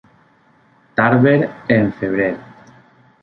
Tarver en febrer.